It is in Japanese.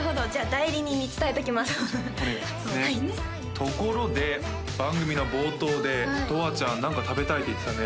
ところで番組の冒頭でとわちゃん何か食べたいって言ってたね